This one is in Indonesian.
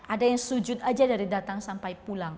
ada yang sujud aja dari datang sampai pulang